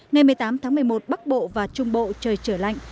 ngày một mươi tám tháng một mươi một bắc bộ và trung bộ trời trở lạnh